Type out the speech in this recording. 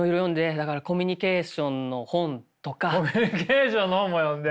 だからコミュニケーションの本とか。コミュニケーションの本も読んで。